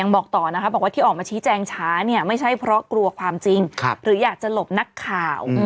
บอกต่อนะคะบอกว่าที่ออกมาชี้แจงช้าเนี่ยไม่ใช่เพราะกลัวความจริงหรืออยากจะหลบนักข่าว